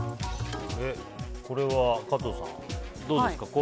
これは加藤さん、どうですか？